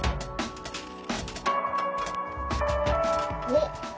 おっ。